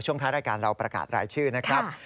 ท้ายรายการเราประกาศรายชื่อนะครับ